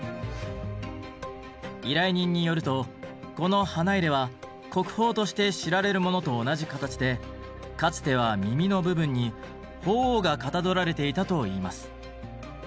依頼人によるとこの花入は国宝として知られるものと同じ形でかつては耳の部分に鳳凰がかたどられていたといいます。